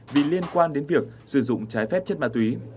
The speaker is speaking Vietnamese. vì liên quan đến việc sử dụng ma túy